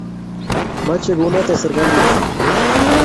Mache kounotok serkalit